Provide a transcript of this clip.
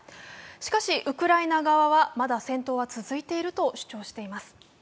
しかし、ウクライナ側はまだ戦闘は続いていると主張しています。